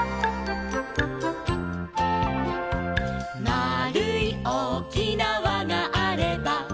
「まあるいおおきなわがあれば」